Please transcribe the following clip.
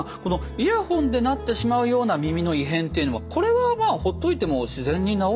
イヤホンでなってしまうような耳の異変っていうのはこれはほっといても自然に治るものじゃないんですかね？